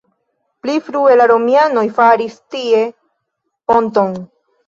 Pli frue la romianoj faris tie ponton.